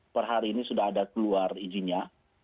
per hari ini sudah ada keluar izinnya